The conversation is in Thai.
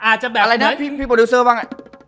อะไรนะพี่โปรดิวเซอร์บ้าง